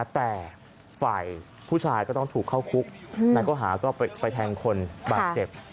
แต่ฝ่ายผู้ชายก็ต้องถูกเข้าคุกในข้อหาก็ไปแทงคนบาดเจ็บ